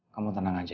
kamu tenang aja ya